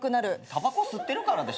たばこ吸ってるからでしょ？